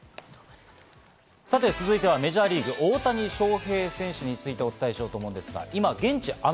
続いては、メジャーリーグを大谷翔平選手についてお伝えしようと思います。